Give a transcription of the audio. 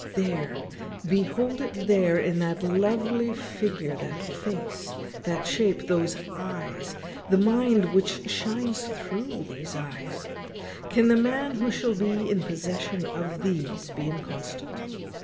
"There, behold it there in that lovely figure, in that face, that shape, those eyes, that mind which shines through these eyes; can the man who shall be in possession of these be inconstant?